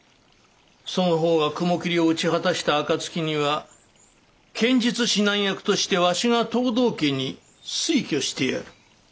その方が雲霧を討ち果たした暁には剣術指南役としてわしが藤堂家に推挙してやる。